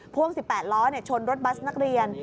พ่วง๑๘ล้อชนรถบัสนักเรียน